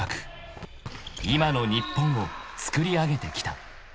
［今の日本をつくりあげてきた］